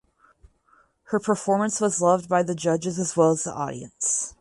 Her performance was loved by the judges as well as the audience.